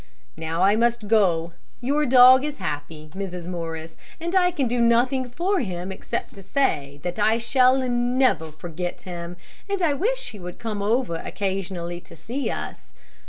Now I must go. Your dog is happy, Mrs. Morris, and I can do nothing for him, except to say that I shall never forget him, and I wish he would come over occasionally to see us.